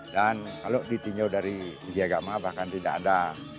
dan kalau ditinjau dari segi agama bahkan tidak ada